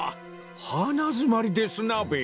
花づまりですなべ。